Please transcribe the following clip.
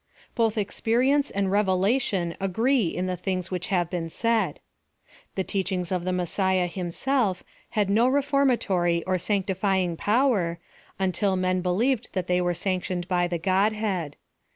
Both experience and revelation agree in the things which have been said. The teachings of the Messiah himself had no reformatory or sancti fying power, until men believed that they were sanctioned by the Godhead.